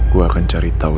gue akan cari tau